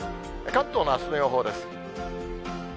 関東のあすの予報です。